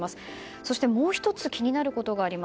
そしてもう１つ気になることがあります。